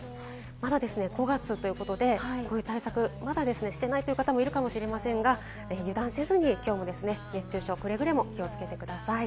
まだ５月ということで、こういう対策、まだしていないという方もいるかもしれませんが、油断せず、今日も熱中症にくれぐれも気をつけてください。